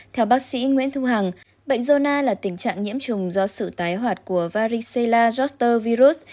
theo bác sĩ nguyễn thu hằng bệnh zona là tình trạng nhiễm trùng do sự tái hoạt của varicella georter virus